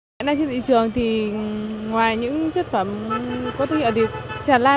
nên trên thị trường thì ngoài những chất phẩm có thương hiệu được tràn lan